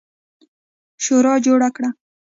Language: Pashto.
شورا جوړه کړه.